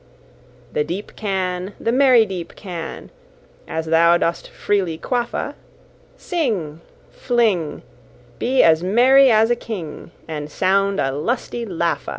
The deep canne, The merry deep canne, As thou dost freely quaff a, Sing, Fling, Be as merry as a king, And sound a lusty laugh a.